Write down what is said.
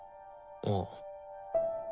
ああ。